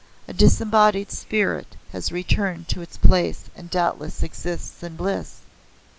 A disembodied spirit has returned to its place and doubtless exists in bliss."